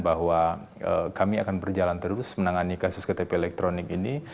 bahwa kami akan berjalan terus menangani kasus ktpl ini